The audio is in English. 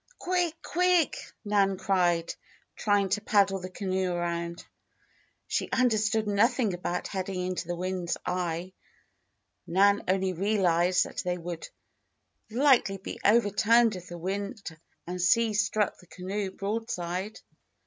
"Quick! quick!" Nan cried, trying to paddle the canoe around. She understood nothing about heading into the wind's eye; Nan only realized that they would likely be overturned if the wind and sea struck the canoe broadside.